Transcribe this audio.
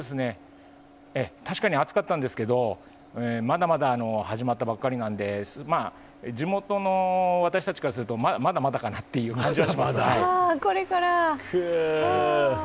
確かに暑かったんですが、まだまだ始まったばかりなので、地元の私たちからするとまだまだかなという感じはしますね。